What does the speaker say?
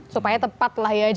supaya tepatlah ya jawabannya